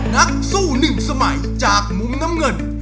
นักสู้หนึ่งสมัยจากมุมน้ำเงิน